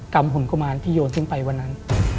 กรรมหุ่นกมานที่โยนซึ่งไปวันนั้น